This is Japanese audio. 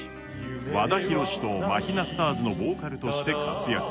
和田弘とマヒナスターズのボーカルとして活躍。